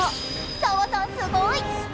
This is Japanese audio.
澤さん、すごい。